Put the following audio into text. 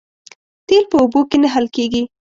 تیل په اوبو کې نه حل کېږي